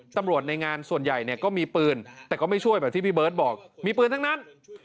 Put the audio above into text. ในงานส่วนใหญ่เนี่ยก็มีปืนแต่ก็ไม่ช่วยแบบที่พี่เบิร์ตบอกมีปืนทั้งนั้น